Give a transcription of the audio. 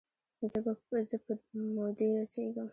زه په مودې رسیږم